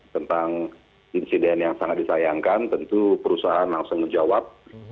tentang insiden yang sangat disayangkan tentu perusahaan langsung menjawab